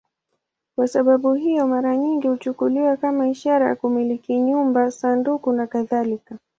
Kwa sababu hiyo, mara nyingi huchukuliwa kama ishara ya kumiliki nyumba, sanduku nakadhalika.